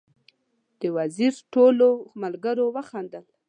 د وزیر ټولو ملګرو وخندل.